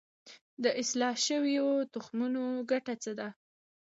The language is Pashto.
د اصلاح شویو تخمونو ګټه څه ده؟